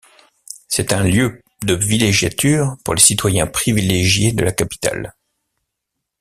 C'est un lieu de villégiature pour les citoyens privilégiés de la capitale.